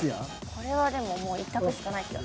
これはでももう１択しかないっすよ。